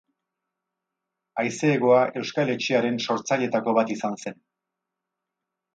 Haize Hegoa Euskal Etxearen sortzailetako bat izan zen.